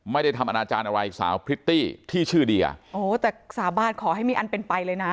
ไม่ได้ทำอนาจารย์อะไรสาวพริตตี้ที่ชื่อเดียโอ้แต่สาบานขอให้มีอันเป็นไปเลยนะ